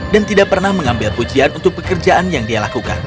dan tidak pernah mengambil pujian untuk pekerjaan yang dia lakukan